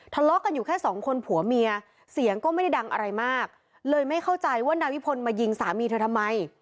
ทะเลาะกันอยู่แค่สองคนผัวเมียเสียงก็ไม่ได้ดังอะไรมากเลยไม่เข้าใจว่านายวิพลมายิงสามีเธอทำไม